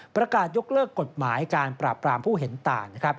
ประกาศยกเลิกกฎหมายการปราบปรามผู้เห็นต่าง